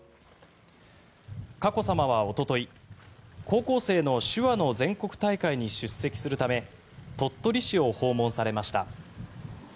佳子さまはおととい高校生の手話の全国大会に出席するため鳥取市を訪問されました。